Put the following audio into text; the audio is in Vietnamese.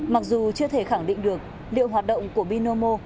mặc dù chưa thể khẳng định được liệu hoạt động của binomo